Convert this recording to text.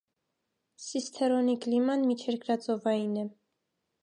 Սիսթերոնի կլիման միջերկրածովային է։